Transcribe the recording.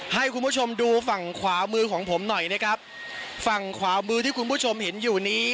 ให้คุณผู้ชมดูฝั่งขวามือของผมหน่อยนะครับฝั่งขวามือที่คุณผู้ชมเห็นอยู่นี้